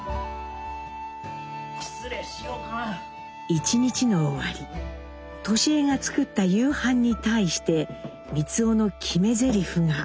１日の終わり智江が作った夕飯に対して光男の決めぜりふが。